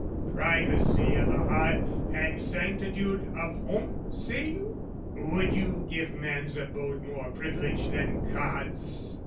Privacy O' the hearth, and sanctitude of home, say you? Would you give man's abode more privilege Than God's?